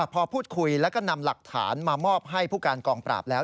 พอพูดคุยแล้วก็นำหลักฐานมามอบให้ผู้การกองปราบแล้ว